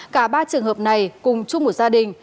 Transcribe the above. cả ba trường hợp này cùng chung một gia đình